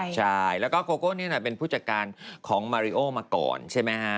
ใช่แล้วก็โกโก้นี่เป็นผู้จัดการของมาริโอมาก่อนใช่ไหมฮะ